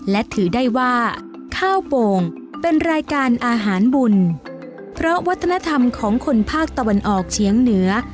และถือได้ว่าข้าวโป่งเป็นรายการอาหารบุญเพราะวัฒนธรรมของคนภาคตะวันออกเฉียงเหนือ